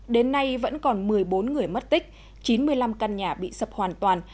đến nay vẫn còn một mươi bốn người mất tích chín mươi năm căn nhà bị sập hoàn toàn